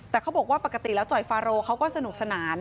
แต่เขาบอกว่าปกติแล้วจ่อยฟาโรเขาก็สนุกสนาน